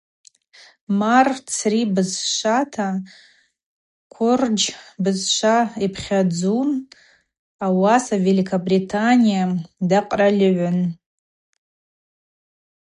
Марр цри бызшвата квырджь бызшва йпхьадзун, ауаса Великобритания дакъральгӏвын.